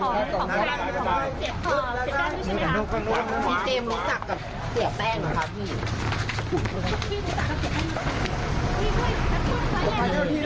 เล็กเก็บที่เดี๋ยวครับ